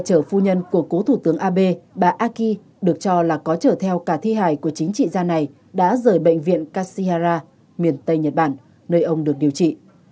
nhân nhân của cựu thủ tướng abe bà aki được cho là có trở theo cả thi hài của chính trị gia này đã rời bệnh viện kashiwara miền tây nhật bản nơi ông được điều trị